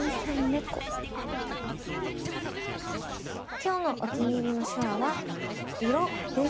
今日のお気に入りの手話は「色」です。